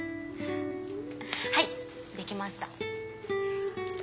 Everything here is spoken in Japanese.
はいできました。